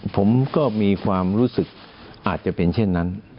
ผมก็มีความรู้สึกอาจจะเป็นเช่นนั้น